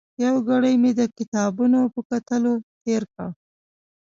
یو ګړی مې د کتابونو په کتلو تېر کړ.